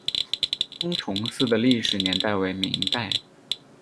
封崇寺的历史年代为明代。